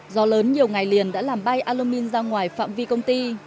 gió lớn nhiều ngày liền đã làm bay alumin ra ngoài phạm vi công ty